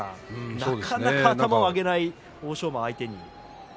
なかなか頭を上げない欧勝馬を相手に。